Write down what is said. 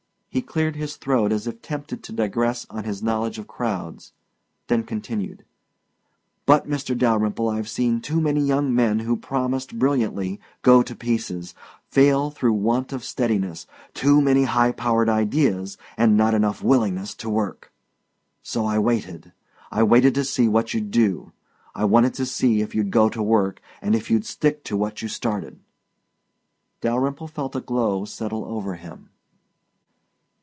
He cleared his throat as if tempted to digress on his knowledge of crowds then continued. "But, Mr. Dalyrimple, I've seen too many young men who promised brilliantly go to pieces, fail through want of steadiness, too many high power ideas, and not enough willingness to work. So I waited. I wanted to see what you'd do. I wanted to see if you'd go to work, and if you'd stick to what you started." Dalyrimple felt a glow settle over him.